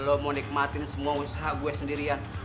lo mau nikmatin semua usaha gue sendirian